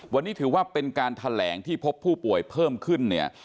วันนี้ถือว่าเป็นการแถลงที่พบผู้ป่วยเพิ่มขึ้นเนี่ย